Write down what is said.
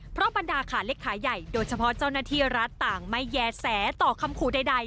เพราะบรรดาขาเล็กขาใหญ่โดยเฉพาะเจ้าหน้าที่รัฐต่างไม่แย่แสต่อคำขู่ใด